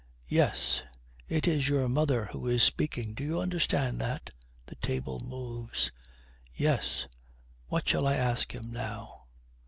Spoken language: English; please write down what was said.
'Yes! It is your mother who is speaking; do you understand that?' The table moves. 'Yes. What shall I ask him now?'